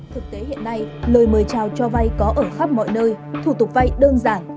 thực tế hiện nay lời mời chào cho vay có ở khắp mọi nơi thủ tục vay đơn giản